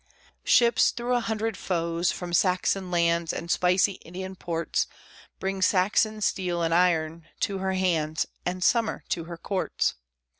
Ships, through a hundred foes, from Saxon lands And spicy Indian ports, Bring Saxon steel and iron to her hands, And summer to her courts.